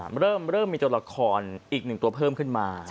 มันเริ่มมีตัวละครอีกหนึ่งตัวเพิ่มขึ้นมา